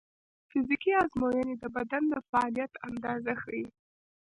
فزیکي ازموینې د بدن د فعالیت اندازه ښيي.